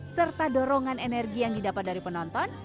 serta dorongan energi yang didapat dari penonton